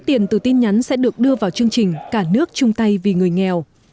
số tiền từ tin nhắn sẽ được đưa vào chương trình cả nước chung tay vì người nghèo